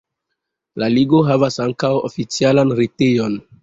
La ligo havas ankaŭ oficialan retejon.